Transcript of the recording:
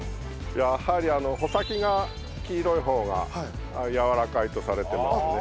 やはり穂先が黄色い方がやわらかいとされてますね。